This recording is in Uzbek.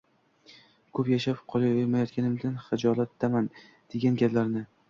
“Ko’p yashab qo’yayotganimdan hijolatdaman”, degan gaplari